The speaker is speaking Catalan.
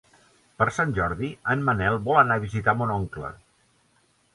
Per Sant Jordi en Manel vol anar a visitar mon oncle.